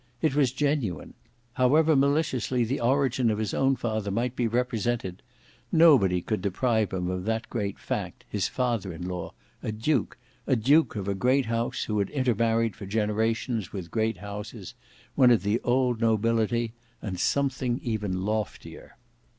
It was genuine. However maliciously the origin of his own father might be represented, nobody could deprive him of that great fact, his father in law; a duke, a duke of a great house who had intermarried for generations with great houses, one of the old nobility, and something even loftier.